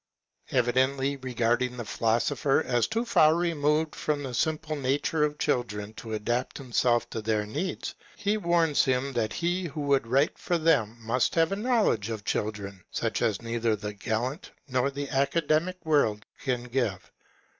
Evidently re garding the philosopher as too far removed from the simple nature of children to adapt himself to their HAVAKN's B8TINATB OF HIV. 205 needs, he warns him that he who would write for them must have a knowledge of children, such as neither the gallant nor the academic world can give.